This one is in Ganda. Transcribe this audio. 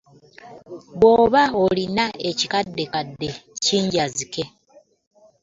Bw'oba olinayo ekikaddekadde kinjazike.